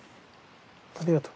ありがとう。